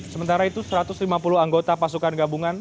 sementara itu satu ratus lima puluh anggota pasukan gabungan